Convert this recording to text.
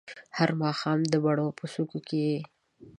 هر ماښام د بڼو په څوکو کې